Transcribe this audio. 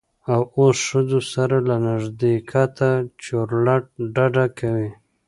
او اوس ښځو سره له نږدیکته چورلټ ډډه کوي.